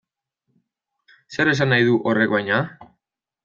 Zer esan nahi du horrek baina?